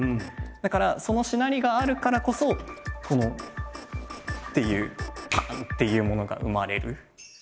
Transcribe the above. だからそのしなりがあるからこそこのっていうパン！っていうものが生まれる。